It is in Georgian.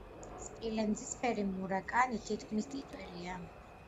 სპილენძისფერი–მურა კანი თითქმის ტიტველია.